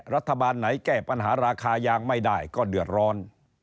รัฐบาลไหนแก้ปัญหาราคายางไม่ได้ก็เดือดร้อน